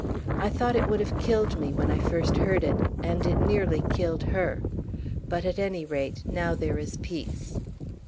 "I thought it would have killed me when I first heard it, and it nearly killed her. But, at any rate, now there is peace."